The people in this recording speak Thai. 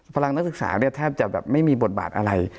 พลังนักศึกษาแทบจะแบบไม่มีบทบาทอะไร